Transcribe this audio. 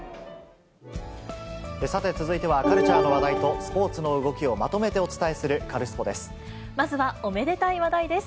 さて、続いては、カルチャーの話題とスポーツの動きをまとめてお伝えするカルスポまずはおめでたい話題です。